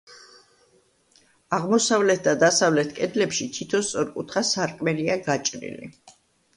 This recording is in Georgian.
აღმოსავლეთ და დასავლეთ კედლებში თითო სწორკუთხა სარკმელია გაჭრილი.